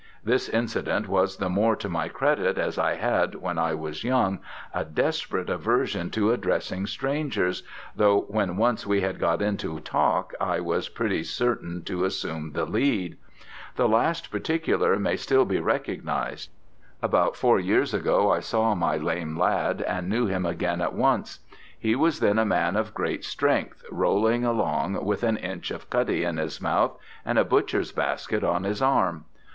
This incident was the more to my credit as I had, when I was young, a desperate aversion to addressing strangers, though when once we had got into talk I was pretty certain to assume the lead. The last particular may still be recognized. About four years ago I saw my lame lad, and knew him again at once. He was then a man of great strength, rolling along, with an inch of cutty in his mouth and a butcher's basket on his arm.